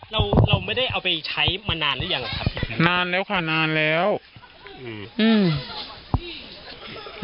เราเราไม่ได้เอาไปใช้มานานหรือยังหรอครับนานแล้วค่ะนานแล้วอืมอืม